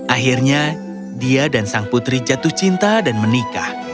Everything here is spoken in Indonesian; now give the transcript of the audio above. akhirnya dia dan sang putri jatuh cinta dan menikah